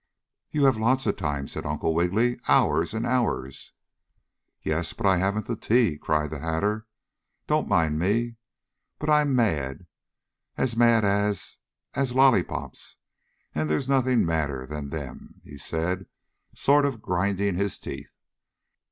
"You have lots of time," said Uncle Wiggily. "Hours and hours." "Yes, but I haven't the tea!" cried the Hatter. "Don't mind me, but I'm as mad as mad as as lollypops, and there's nothing madder than them!" he said, sort of grinding his teeth.